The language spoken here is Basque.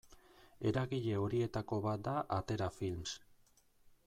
Eragile horietako bat da Atera Films.